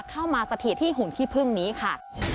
มาสถิตที่หุ่นขี้พึ่งนี้ค่ะ